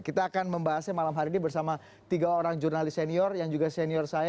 kita akan membahasnya malam hari ini bersama tiga orang jurnalis senior yang juga senior saya